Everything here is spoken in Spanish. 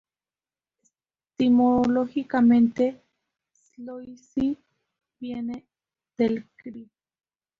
Etimológicamente "Psilocybe" viene del gr.